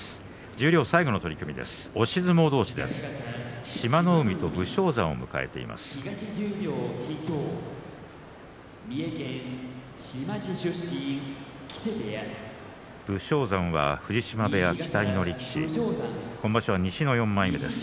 十両最後の取組です。